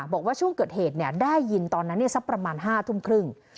บอกว่าช่วงเกิดเหตุได้ยินตอนนั้นสักประมาณ๕ทุ่มครึ่ง